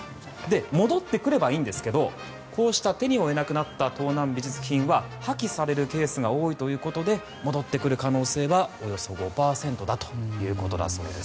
戻ってくればいいんですがこうした手に負えなくなった盗難美術品は破棄されるケースが多いということで戻ってくる可能性はおよそ５％だということだそうです。